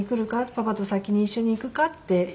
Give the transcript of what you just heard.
「パパと先に一緒に行くか？」って言われて。